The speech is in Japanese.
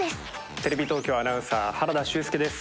テレビ東京アナウンサー原田修佑です。